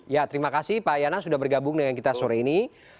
ya terima kasih pak yana sudah bergabung dengan kita sore ini